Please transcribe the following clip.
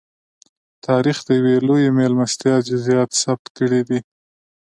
تاریخ د یوې لویې مېلمستیا جزییات ثبت کړي دي.